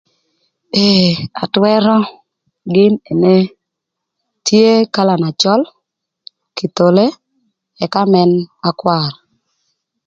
Ee atwërö gïn ene tye kala na cöl, kithole ëka mën n'akwar.